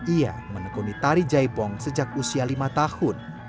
ia menekuni tari jaipong sejak usia lima tahun